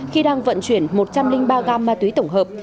khi đang vận chuyển một trăm linh ba gam ma túy tổng hợp